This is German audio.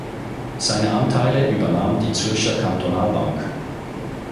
Seine Anteile übernahm die Zürcher Kantonalbank.